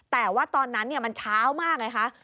แต่ว่าตอนนั้นมันเช้ามากไงคะ